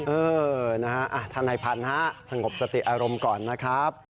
เออนะฮะอ่ะท่านหน้าพันฮะสงบสติอารมณ์ก่อนนะครับ